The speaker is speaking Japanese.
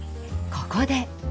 ここで！